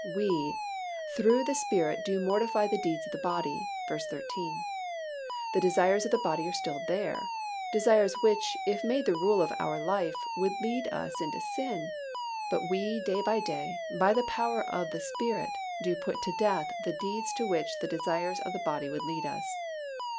We "through the Spirit do mortify the deeds of the body" (v. 13). The desires of the body are still there, desires which if made the rule of our life, would lead us into sin, but we day by day by the power of the Spirit do put to death the deeds to which the desires of the body would lead us.